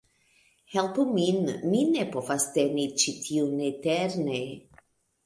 "Helpu min! Mi ne povas teni ĉi tiun eterne"